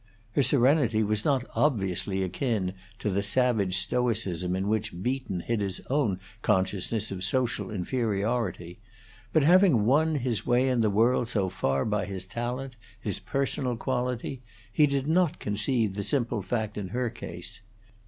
Her serenity was not obviously akin to the savage stoicism in which Beaton hid his own consciousness of social inferiority; but having won his way in the world so far by his talent, his personal quality, he did not conceive the simple fact in her case.